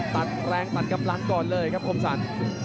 ตัดแรงตัดกำลังก่อนเลยครับคมสรร